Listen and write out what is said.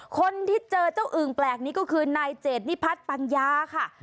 คนที่เจอเจ้าอึ่งแปลกนี้ก็คือนายเจดนิพัฒน์ปัญญาค่ะ